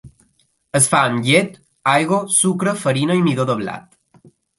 Es fa amb llet, aigua, sucre, farina i midó de blat.